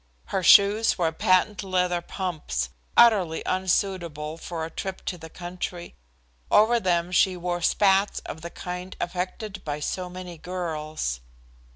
Her shoes were patent leather pumps, utterly unsuitable for a trip to the country. Over them she wore spats of the kind affected by so many girls.